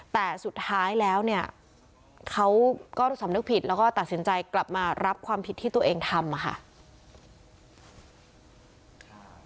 แต่สุดท้ายแล้วเนี่ยเขาก็สำนึกผิดแล้วก็ตัดสินใจกลับมารับความผิดที่ตัวเองทำค่ะ